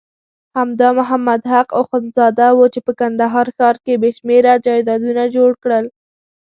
همدا محمد حق اخندزاده وو چې په کندهار ښار کې بېشمېره جایدادونه جوړ کړل.